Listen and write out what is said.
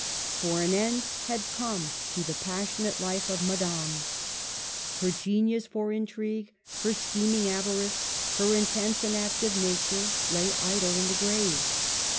For an end had come to the passionate life of Madame. Her genius for intrigue, her schem ing avarice, her intense and active nature, lay idle in the grave.